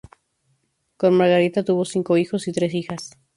Con Margarita tuvo cinco hijos y tres hijas.